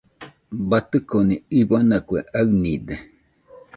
Batɨconi iuana kue aɨnide.